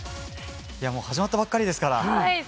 始まったばかりですから。